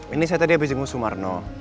ini saya tadi abis jenguk sumarno